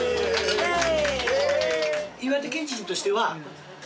イエーイ！